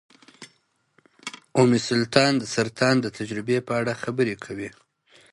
ام سلطان د سرطان د تجربې په اړه خبرې کوي.